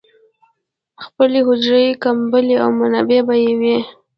خپلې حجرې، کمبلې او منابع به یې وې.